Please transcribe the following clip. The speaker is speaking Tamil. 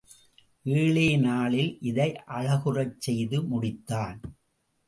ஏழே நாளில் இதை அழகுறச் செய்து முடித்தான்.